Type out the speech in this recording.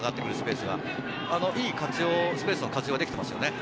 いいスペースの活用ができていますよね。